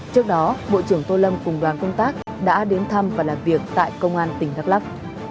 trước đó bộ trưởng tô lâm cùng đoàn công tác đã đến thăm và làm việc tại công an tỉnh đắk lắc